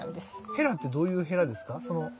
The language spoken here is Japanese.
ヘラってどういうヘラですか？